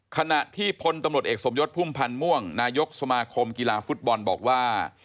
ขณะที่พลตำรวจเอกสมยศพุ่มพันธ์ม่วงนายกสมาคมกีฬาฟุตบอลบอกว่า